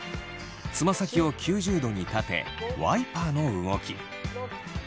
つま先を９０度に立てワイパーの動き。